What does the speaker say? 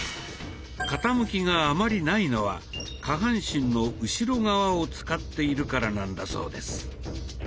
傾きがあまりないのは下半身の後ろ側を使っているからなんだそうです。